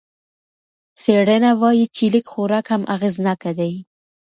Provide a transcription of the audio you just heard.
څېړنه وايي چې لږ خوراک هم اغېزناکه دی.